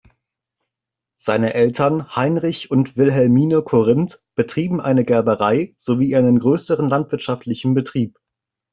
Seine Eltern Heinrich und Wilhelmine Corinth betrieben eine Gerberei sowie einen größeren landwirtschaftlichen Betrieb.